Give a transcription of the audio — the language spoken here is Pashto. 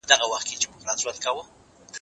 هغه څوک چي قلم کاروي پوهه زياتوي؟